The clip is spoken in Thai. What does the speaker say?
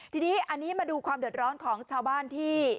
ทีนี้อันนี้มาดูความเดือดร้อนของชาวบ้านที่